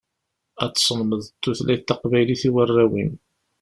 Ad teslemdeḍ tutlayt taqbaylit i warraw-im.